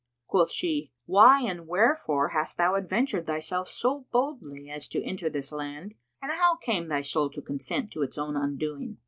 Quoth she, "Why and wherefore hast thou adventured thyself so boldly as to enter this land, and how came thy soul to consent to its own undoing?